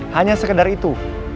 hanya sekedar itu